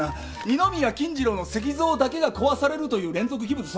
二宮金次郎の石像だけが壊されるという連続器物損壊事件。